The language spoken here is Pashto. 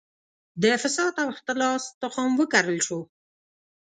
د فساد او اختلاس تخم وکرل شو.